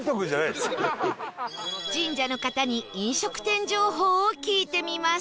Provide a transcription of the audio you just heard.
神社の方に飲食店情報を聞いてみます